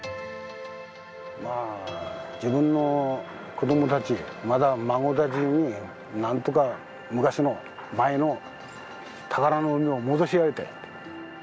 まあ、自分の子どもたち、または孫たちにね、なんとか昔の、前の宝の海を戻してやりたい。